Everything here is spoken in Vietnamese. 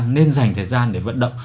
nên dành thời gian để vận động